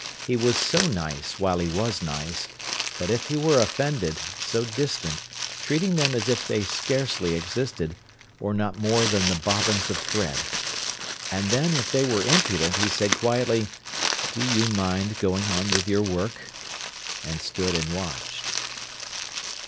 He was so nice while he was nice, but if he were offended, so distant, treating them as if they scarcely existed, or not more than the bobbins of thread. And then, if they were impudent, he said quietly: "Do you mind going on with your work," and stood and watched.